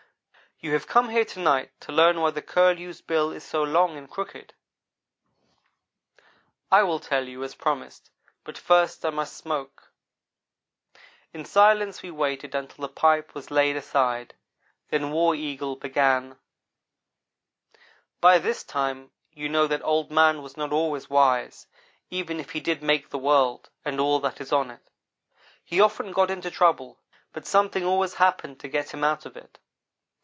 "You have come here to night to learn why the Curlew's bill is so long and crooked. I will tell you, as I promised, but first I must smoke." In silence we waited until the pipe was laid aside, then War Eagle began: "By this time you know that Old man was not always wise, even if he did make the world, and all that is on it. He often got into trouble but something always happened to get him out of it.